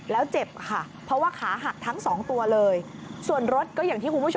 แล้วเจ็บค่ะเพราะว่าขาหักทั้ง๒ตัวเลย